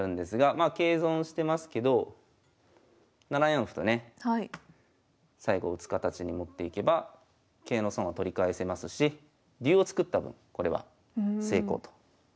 まあ桂損してますけど７四歩とね最後打つ形に持っていけば桂の損は取り返せますし竜を作った分これは成功となりますね。